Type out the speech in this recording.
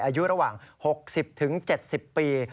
อายุระหว่าง๖๐๗๐ปี